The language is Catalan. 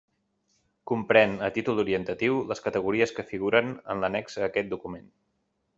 Comprén, a títol orientatiu, les categories que figuren en l'annex a aquest document.